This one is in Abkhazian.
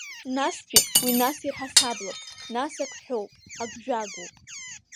Настәи уи нас ирҳасаблап, нас ак ҳәоуп, ак жәагәоуп.